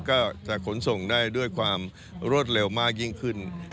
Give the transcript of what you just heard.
ก็จะขนส่งได้ด้วยความรวดเร็วมากยิ่งขึ้น